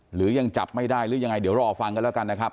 หรือยังจับไม่ได้หรือยังไงเดี๋ยวรอฟังกันแล้วกันนะครับ